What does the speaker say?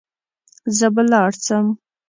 زه به لاړ سم.